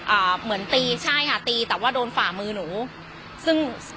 เหมือนตีใช่ค่ะตีแต่ว่าโดนฝ่ามือหนูซึ่ง